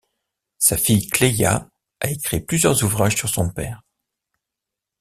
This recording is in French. Sa fille Clelia a écrit plusieurs ouvrages sur son père.